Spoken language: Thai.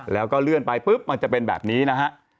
แล้วก็เลื่อนไปปุ๊บมันจะเป็นแบบนี้นะฮะ